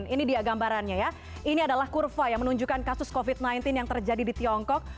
ini dia gambarannya ya ini adalah kurva yang menunjukkan kasus covid sembilan belas yang terjadi di tiongkok